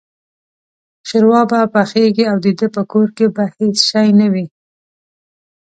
شوروا به پخېږي او دده په کور کې به هېڅ شی نه وي.